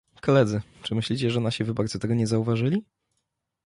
Koledzy, czy myślicie, że nasi wyborcy tego nie zauważyli?